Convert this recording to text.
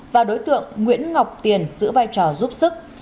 và đối tượng nguyễn ngọc tiền giữ vai trò giúp sức